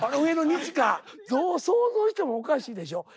どう想像してもおかしいでしょ。